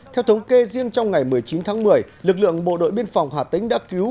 theo thống kê riêng trong ngày một mươi chín tháng một mươi lực lượng bộ đội biên phòng hà tĩnh đã cứu